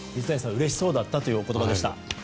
うれしそうだったというお言葉でした。